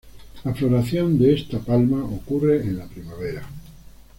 La floración de esta palma ocurre en la primavera.